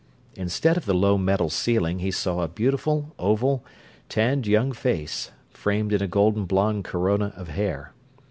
Instead of the low metal ceiling he saw a beautiful, oval, tanned young face, framed in a golden blonde corona of hair.